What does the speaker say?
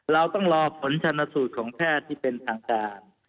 เราต้องรอผลชนสูตรของแพทย์ที่เป็นทางการ